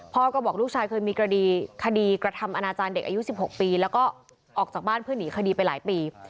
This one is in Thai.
พ่อก็บอกลูกชายเคยมีคดีกระทำอนาจารย์เด็กอายุ๑๖ปีแล้วก็ออกจากบ้านเพื่อหนีคดีไปหลายปี